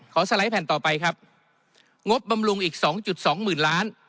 สไลด์แผ่นต่อไปครับงบบำรุงอีกสองจุดสองหมื่นล้าน